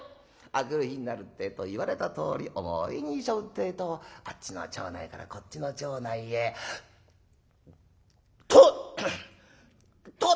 明くる日になるってえと言われたとおり重い荷背負うってえとあっちの町内からこっちの町内へ「とと」。